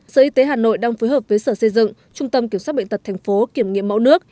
sở y tế hà nội đang phối hợp với sở xây dựng trung tâm kiểm soát bệnh tật tp kiểm nghiệm mẫu nước